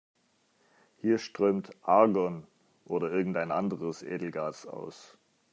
Hier strömt Argon oder irgendein anderes Edelgas aus.